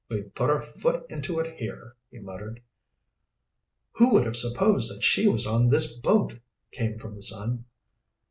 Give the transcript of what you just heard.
"We've put our foot into it here," he muttered. "Who would have supposed that she was on this boat?" came from the son.